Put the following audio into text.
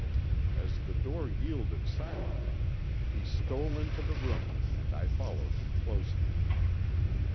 As the door yielded silently, he stole into the room and I followed him closely.